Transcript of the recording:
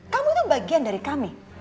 kamu kan bagian dari kami